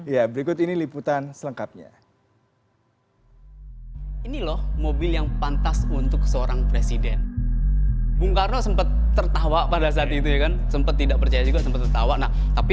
ya berikut ini liputan selengkapnya